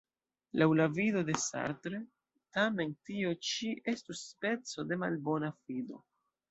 Laŭ la vido de Sartre, tamen, tio ĉi estus speco de malbona fido.